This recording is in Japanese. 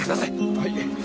はい！